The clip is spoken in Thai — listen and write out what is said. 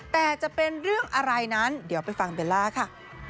แต่จะเป็นเรื่องอะไรนั้นเดี๋ยวไปฟังเบลล่าค่ะ